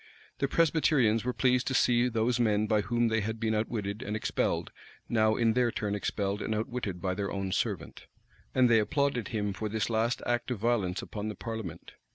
The Presbyterians were pleased to see those men by whom they had been outwitted and expelled, now in their turn expelled and outwitted by their own servant; and they applauded him for this last act of violence upon the parliament.